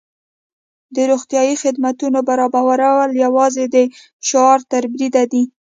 د روغتیايي خدمتونو برابرول یوازې د شعار تر بریده دي.